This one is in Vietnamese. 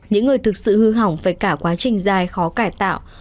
những người thực sự hư hỏng phải cả quá trình dài khó cải tạo